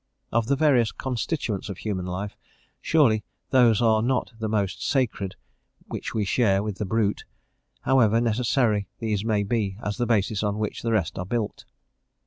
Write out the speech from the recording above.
Of the various constituents of human life, surely those are not the most "sacred" which we share with the brute, however necessary these may be as the basis on which the rest are built.